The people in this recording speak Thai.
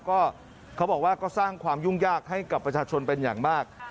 ก็เขาบอกว่าก็สร้างความยุ่งยากให้กับประชาชนเป็นอย่างมาก